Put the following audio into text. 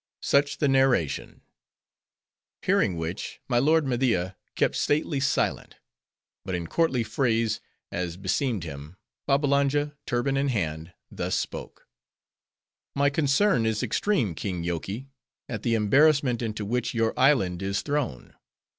Such the narration; hearing which, my lord Media kept stately silence. But in courtly phrase, as beseemed him, Babbalanja, turban in hand, thus spoke:— "My concern is extreme, King Yoky, at the embarrassment into which your island is thrown.